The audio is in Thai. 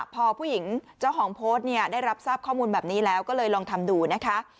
พอผู้หญิงเจ้าของโพสต์เนี่ยได้รับทราบข้อมูลแบบนี้แล้วก็เลยลองทำดูนะคะ